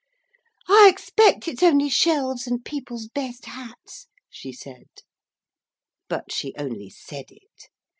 'I expect it's only shelves and people's best hats,' she said. But she only said it.